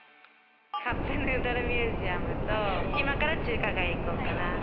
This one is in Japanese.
カップヌードルミュージアムと、今から中華街行こうかな。